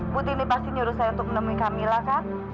butini pasti nyuruh saya untuk menemui camilla kan